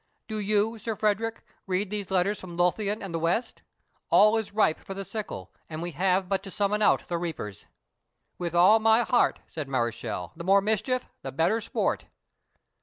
Do you, Sir Frederick, read these letters from Lothian and the west all is ripe for the sickle, and we have but to summon out the reapers." "With all my heart," said Mareschal; "the more mischief the better sport."